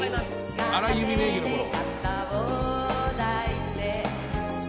「荒井由実名義のころ」